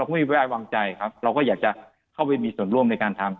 ไม่ไว้วางใจครับเราก็อยากจะเข้าไปมีส่วนร่วมในการทำ